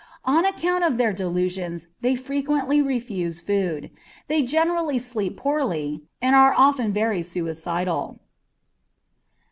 On account of their delusions they frequently refuse food, they generally sleep poorly, and are often very suicidal.